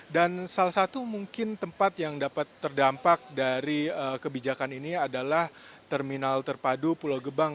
dan salah satu mungkin tempat yang dapat terdampak dari kebijakan ini adalah terminal terpadu pulau gebang